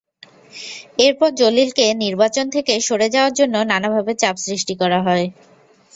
এরপর জলিলকে নির্বাচন থেকে সরে যাওয়ার জন্য নানাভাবে চাপ সৃষ্টি করা হয়।